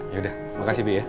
yaudah makasih bi ya